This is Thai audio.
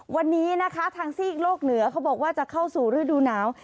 วันนี้นะคะทางซีกโลกเหนือเขาบอกว่าจะเข้าสู่ฤดูหนาว